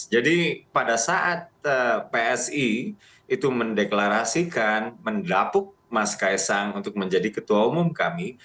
jadi pada saat psi itu mendeklarasikan mendapuk mas kaisang untuk menjadi ketua umum kami